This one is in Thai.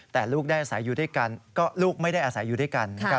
แต่ลูกได้อาศัยอยู่ด้วยกันก็ลูกไม่ได้อาศัยอยู่ด้วยกันนะครับ